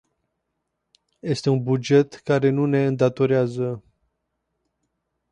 Este un buget care nu ne îndatorează.